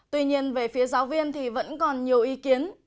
tuy nhiên về phía giáo viên thì vẫn còn nhiều ý kiến